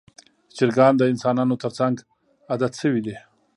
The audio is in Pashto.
چرګان د انسانانو تر څنګ عادت شوي دي.